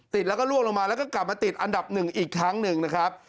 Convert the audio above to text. ติดแล้วก็ล่วงลงมาแล้วก็กลับมาติดอันดับหนึ่งอีกครั้งหนึ่งนะครับ